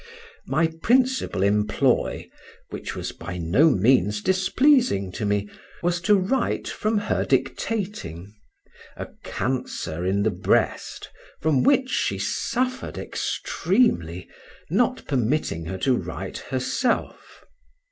My principal employ, which was by no means displeasing to me, was to write from her dictating; a cancer in the breast, from which she suffered extremely, not permitting her to write herself.